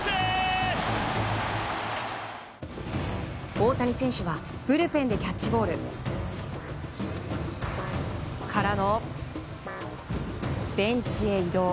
大谷選手はブルペンでキャッチボールからのベンチへ移動。